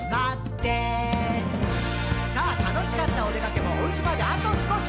「さぁ楽しかったおでかけもお家まであと少し」